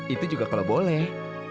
itu juga kalau boleh